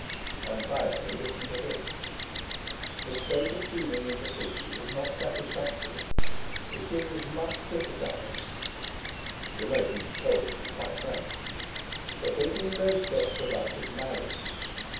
And finally listen to this: 'The state of feeling in the city is not satisfactory. The King is much criticized' (you know, he's told to be quite frank) 'for taking no steps about his marriage.